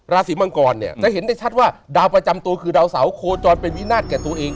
ราศีมังกรเนี่ยจะเห็นได้ชัดว่าดาวประจำตัวคือดาวเสาโคจรเป็นวินาศแก่ตัวเอง